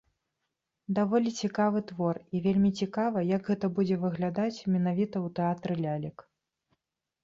Даволі цікавы твор, і вельмі цікава, як гэта будзе выглядаць менавіта ў тэатры лялек.